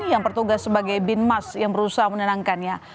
yang bertugas sebagai bin mas yang berusaha menenangkannya